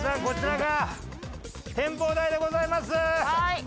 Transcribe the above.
こちらが展望台でございます。